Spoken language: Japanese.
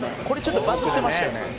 「これちょっとバズってましたよね」